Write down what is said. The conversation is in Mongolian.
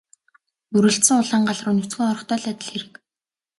Дүрэлзсэн улаан гал руу нүцгэн орохтой л адил хэрэг.